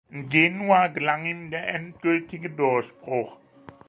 In Genua gelang ihm der endgültige Durchbruch.